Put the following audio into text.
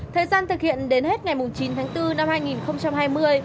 thời gian thực hiện đến hết ngày chín tháng bốn năm hai nghìn hai mươi